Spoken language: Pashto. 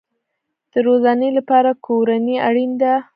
د روزنې لپاره کورنۍ اړین ده